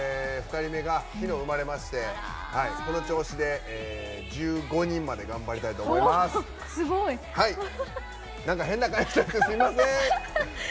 ２人目がきのう生まれましてこの調子で１５人まで頑張りたいと思います。